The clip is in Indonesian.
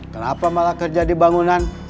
kenapa malah kerja di bangunan